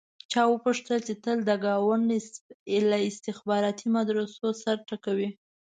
چا وپوښتل چې تل د ګاونډ له استخباراتي مدرسو سر ټکوې.